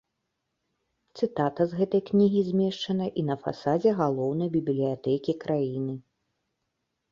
Цытата з гэтай кнігі змешчана і на фасадзе галоўнай бібліятэкі краіны.